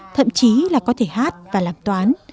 thậm chí là có thể hát và làm toán